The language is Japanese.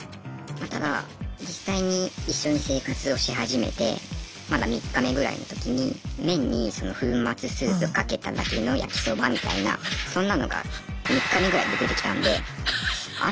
ただ実際に一緒に生活をし始めてまだ３日目ぐらいの時に麺に粉末スープかけただけの焼きそばみたいなそんなのが３日目ぐらいで出てきたんであれ？